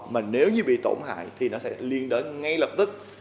mà nếu như bị tổn hại thì nó sẽ liên đến ngay lập tức